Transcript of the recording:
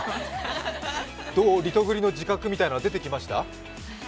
リトグリの自覚みたいなのは出てきました？